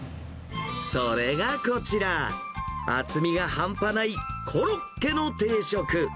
それがこちら、厚みが半端ないコロッケの定食。